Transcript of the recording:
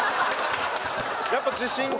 やっぱ自信が。